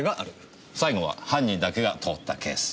最後は犯人だけが通ったケース。